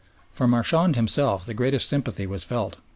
For Marchand himself the greatest sympathy was felt.